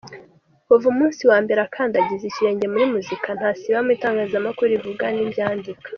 Kuva umunsi wa mbere akandagiza ikirenge muri muzika, ntasiba mu itangazamakuru rivuga n’iryandika.